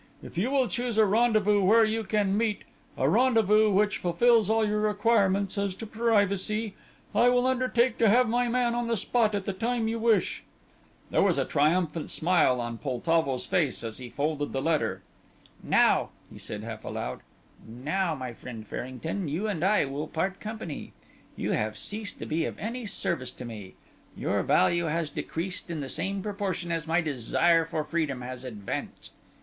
If you will choose a rendezvous where you can meet, a rendezvous which fulfills all your requirements as to privacy, I will undertake to have my man on the spot at the time you wish." There was a triumphant smile on Poltavo's face as he folded the letter. "Now," he said half aloud, "now, my friend Farrington, you and I will part company. You have ceased to be of any service to me; your value has decreased in the same proportion as my desire for freedom has advanced.